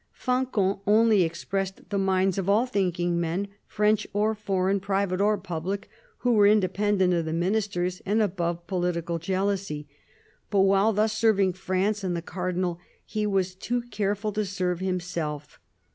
Fancan only expressed the minds of all thinking men, French or foreign, private or public, who were independent of the Ministers and above political jealousy. But while thus serving France and the Cardinal, he was too careful to serve himself.